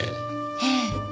ええ。